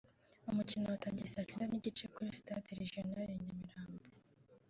umukino watangiye saa cyenda n’igice kuri Stade Regional i Nyamirambo